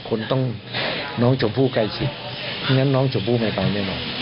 คนต้องน้องเจ้าผู้ใกล้ชิดฉะนั้นน้องเจ้าผู้ไม่ตายแน่นอน